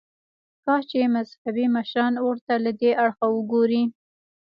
کاش چې مذهبي مشران ورته له دې اړخه وګوري.